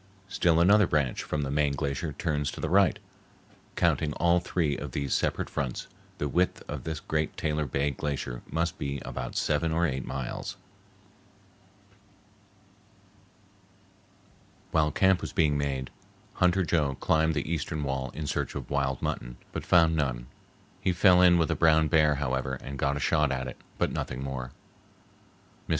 Still another branch from the main glacier turns to the right. Counting all three of these separate fronts, the width of this great Taylor Bay Glacier must be about seven or eight miles. While camp was being made, Hunter Joe climbed the eastern wall in search of wild mutton, but found none. He fell in with a brown bear, however, and got a shot at it, but nothing more. Mr.